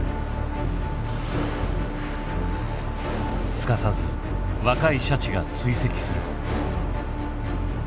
すかさず若いシャチが追跡する。